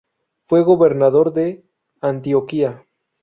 Fue Gobernador de Antioquia.